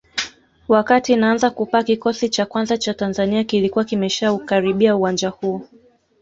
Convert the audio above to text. Wakati inaanza kupaa kikosi cha kwanza cha Tanzania kilikuwa kimeshaukaribia uwanja huo